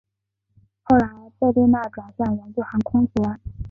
后来贝利纳转向研究航空学。